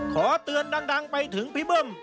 ขอเตือนดังไปถึงพี่เบิ้ม